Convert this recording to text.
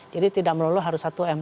jadi tidak melulu harus satu m